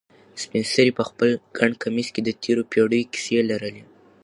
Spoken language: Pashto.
سپین سرې په خپل ګڼ کمیس کې د تېرو پېړیو کیسې لرلې.